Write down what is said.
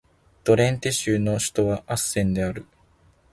ドレンテ州の州都はアッセンである